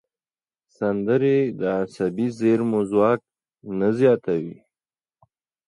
سندرې د عصبي زېرمو ځواک زیاتوي.